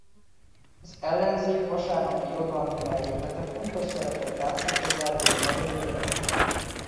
Az Ellenzék vasárnapi irodalmi melléklete fontos szerepet játszott az erdélyi magyar irodalomban.